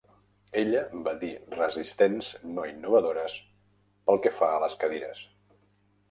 Ella va dir resistents no innovadores pel que fa a les cadires.